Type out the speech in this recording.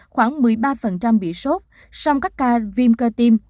khoảng một mươi ba bị sốt xong các ca viêm cơ tiêm